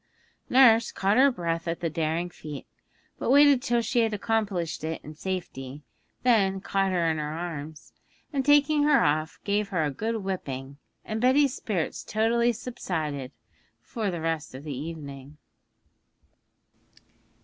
Nurse caught her breath at the daring feat, but waited till she had accomplished it in safety, then caught her in her arms, and taking her off, gave her a good whipping, and Betty's spirits totally subsided for the rest of the evening.